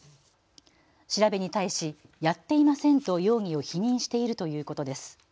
調べに対しやっていませんと容疑を否認しているということです。